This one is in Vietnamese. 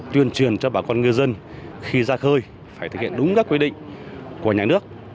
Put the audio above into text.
tuyên truyền cho bà con ngư dân khi ra khơi phải thực hiện đúng các quy định của nhà nước